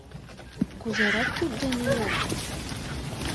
Кузерак тудден илет?